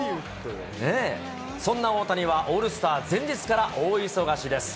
そんな大谷はオールスター前日から大忙しです。